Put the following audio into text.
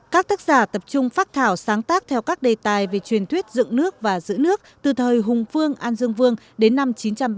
các tác giả tập trung phát thảo sáng tác theo các đề tài về truyền thuyết dựng nước và giữ nước từ thời hùng phương an dương vương đến năm chín trăm ba mươi